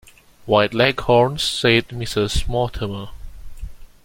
White Leghorns, said Mrs Mortimer.